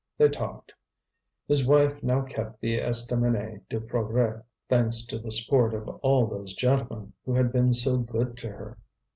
They talked. His wife now kept the Estaminet du Progrés, thanks to the support of all those gentlemen, who had been so good to her.